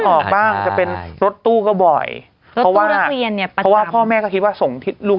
อ่ะไม่ออกแต่เป็นรถตู้ที่บ่อยหรือว่าพ่อแม่ก็คิดว่าส่งลูก